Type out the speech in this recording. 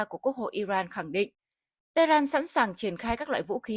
của quốc hội iran khẳng định tehran sẵn sàng triển khai các loại vũ khí